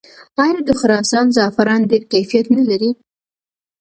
آیا د خراسان زعفران ډیر کیفیت نلري؟